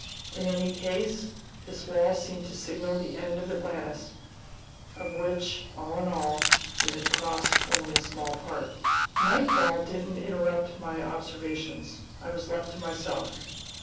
In any case this wall seemed to signal the end of Atlantis, of which, all in all, we had crossed only a small part. Nightfall didn't interrupt my observations. I was left to myself.